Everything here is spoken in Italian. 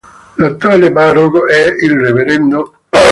L'attuale parroco è il rev.